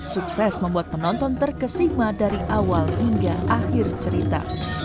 sukses membuat penonton terkesima dari awal hingga akhir cerita